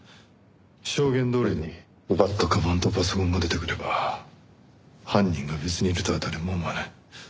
証言どおりに奪ったかばんとパソコンが出てくれば犯人が別にいるとは誰も思わない。